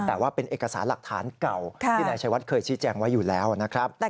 แต่ว่าเป็นเอกสารหลักฐานเก่าที่นายชัยวัดเคยชี้แจงไว้อยู่แล้วนะครับ